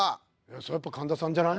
そりゃやっぱ神田さんじゃない？